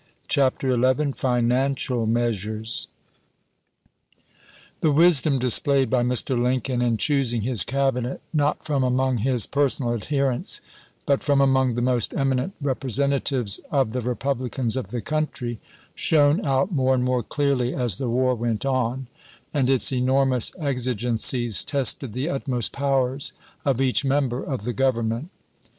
CHAPTER XI FESTANCIAL MEASURES THE wisdom displayed by Mr. Lincoln in choos ing his Cabinet, not from among his personal adherents, but from among the most eminent rep resentatives of the Republicans of the country, shone out more and more clearly as the war went on, and its enormous exigencies tested the utmost powers of each member of the Government.